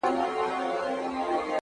زه بې له تا گراني ژوند څنگه تېر كړم ـ